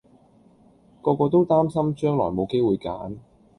個個都擔心將來冇機會揀